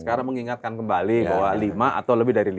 sekarang mengingatkan kembali bahwa lima atau lebih dari lima